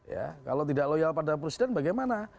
ya kalau tidak loyal pada presiden bagaimana